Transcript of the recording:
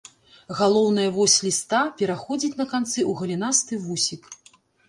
Галоўная вось ліста пераходзіць на канцы ў галінасты вусік.